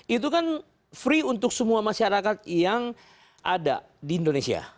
itu kan free untuk semua masyarakat yang ada di indonesia